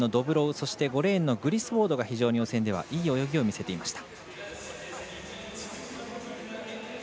そして５レーンの選手が非常に予選ではいい泳ぎを見せていました。